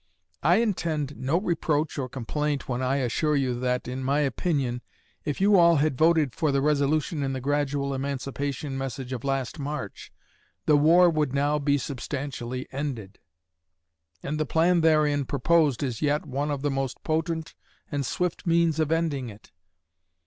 I intend no reproach or complaint when I assure you that, in my opinion, if you all had voted for the resolution in the gradual emancipation message of last March, the war would now be substantially ended. And the plan therein proposed is yet one of the most potent and swift means of ending it.